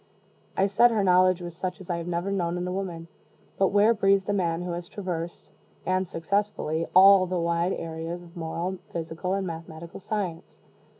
I said her knowledge was such as I have never known in woman but where breathes the man who has traversed, and successfully, all the wide areas of moral, physical, and mathematical science?